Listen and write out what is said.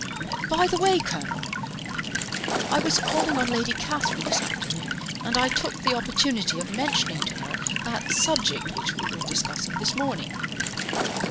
"By the way, Colonel," he began, "I was calling on Lady Catherine this afternoon, and I took the opportunity of mentioning to her that subject which we were discussing this morning."